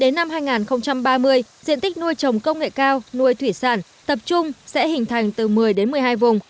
đến năm hai nghìn ba mươi diện tích nuôi trồng công nghệ cao nuôi thủy sản tập trung sẽ hình thành từ một mươi đến một mươi hai vùng